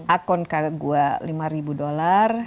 akun kagak gua lima ribu dollar